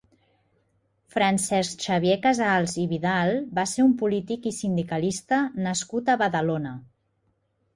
Francesc Xavier Casals i Vidal va ser un polític i sindicalista nascut a Badalona.